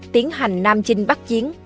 tiến hành nam chinh bắt chiến